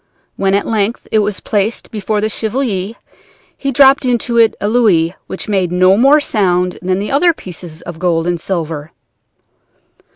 When at length it was placed before the Chevalier, he dropped into it a louis which made no more sound than had the other pieces of gold and silver.